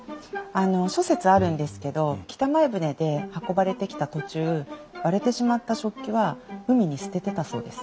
諸説あるんですけど北前船で運ばれてきた途中割れてしまった食器は海に捨ててたそうです。